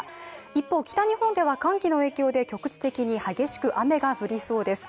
一方、北日本では寒気の影響で局地的に激しく雨が降りそうです。